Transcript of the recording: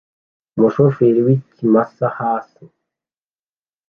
umushoferi w'ikimasa hasi